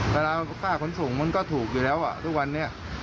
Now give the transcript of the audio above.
ภารกาค่าผลสูงก็ถูกอยู่แล้วว่ะทุกวันนี้